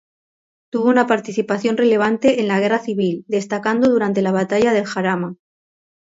Tuvo una participación relevante en la Guerra civil, destacando durante la batalla del Jarama.